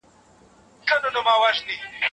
پي پي پي ناروغي د مور ژور خپګان اغېزمنوي.